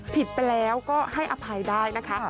ผิดไปแล้วก็ให้อภัยได้นะคะ